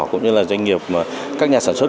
cũng như là doanh nghiệp các nhà sản xuất